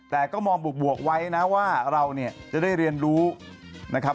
แต่ก็มองบวกไว้นะว่าเราเนี่ยจะได้เรียนรู้นะครับ